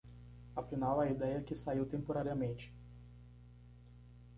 Afinal, a ideia que saiu temporariamente